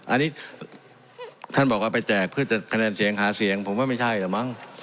อันนี้ท่านบอกว่าไปแจกเพื่อจะคะแนนเสียงหาเสียงผมว่าไม่ใช่เหรอมั้ง